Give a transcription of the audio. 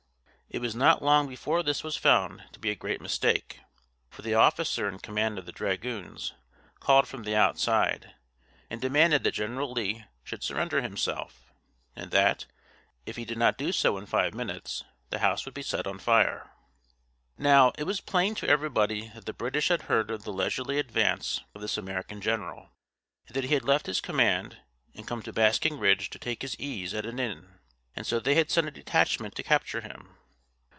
It was not long before this was found to be a great mistake; for the officer in command of the dragoons called from the outside, and demanded that General Lee should surrender himself, and that, if he did not do so in five minutes, the house would be set on fire. Now, it was plain to everybody that the British had heard of the leisurely advance of this American general, and that he had left his command and come to Basking Ridge to take his ease at an inn, and so they had sent a detachment to capture him.